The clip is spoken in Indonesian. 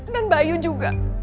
dan bayu juga